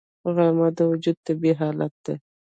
غرمه د وجود طبیعي حالت دی